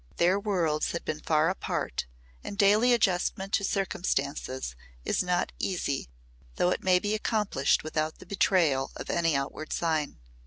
Their worlds had been far apart and daily adjustment to circumstances is not easy though it may be accomplished without the betrayal of any outward sign.